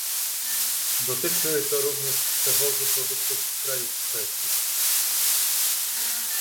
Dotyczy to również przywozu produktów z krajów trzecich